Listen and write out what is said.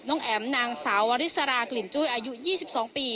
แอ๋มนางสาววริสรากลิ่นจุ้ยอายุ๒๒ปี